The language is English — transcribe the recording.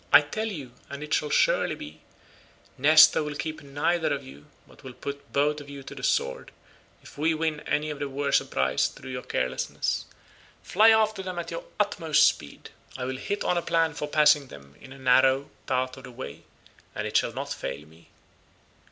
I tell you, and it shall surely be—Nestor will keep neither of you, but will put both of you to the sword, if we win any the worse a prize through your carelessness. Fly after them at your utmost speed; I will hit on a plan for passing them in a narrow part of the way, and it shall not fail me."